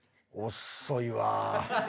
遅いわ。